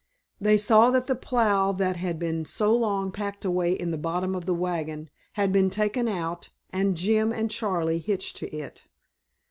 They saw that the plow that had been so long packed away in the bottom of the wagon had been taken out and Jim and Charley hitched to it.